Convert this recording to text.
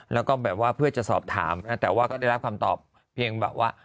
แล้วก็เพื่อยจะสอบถามแต่ได้รับคำตอบเพียงเบื่อว่า